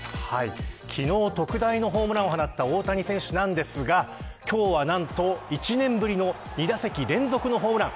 昨日、特大のホームランを放った大谷選手なんですが今日は、何と１年ぶりの２打席連続のホームラン。